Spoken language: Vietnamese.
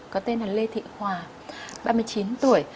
có tên là lê thị hòa ba mươi chín tuổi